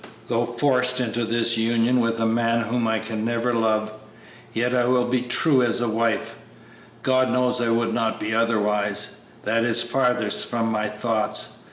Though forced into this union with a man whom I can never love, yet I will be true as a wife; God knows I would not be otherwise; that is farthest from my thoughts.